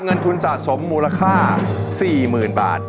เงินทุนสะสมมูลค่า๔๐๐๐บาท